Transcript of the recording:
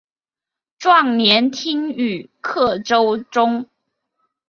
壮年听雨客舟中。